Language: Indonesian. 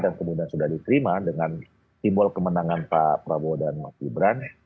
dan kemudian sudah diterima dengan simbol kemenangan pak prabowo dan mas gibran